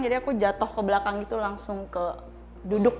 jadi aku jatuh ke belakang gitu langsung ke duduk